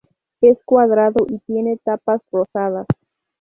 Es cuadrado y tiene tapas rosadas.